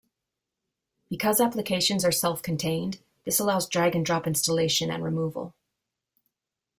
Because applications are self-contained, this allows drag-and-drop installation and removal.